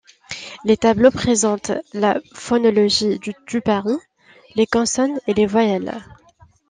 Les tableaux présentent la phonologie du tupari, les consonnes et les voyelles.